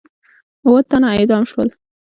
اووه تنه اعدام شول.